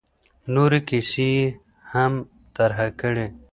نورې کیسې یې هم طرحه کړې.